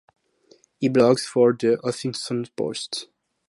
He blogs for The Huffington Post.